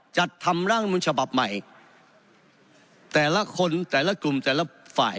จัดทำร่างรัฐมนุนฉบับใหม่แต่ละคนแต่ละกลุ่มแต่ละฝ่าย